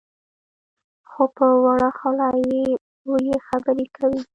خو په وړه خوله لویې خبرې کوي.